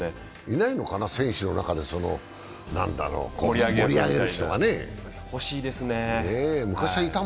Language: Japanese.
いないのかな、選手の中で盛り上げる人がね。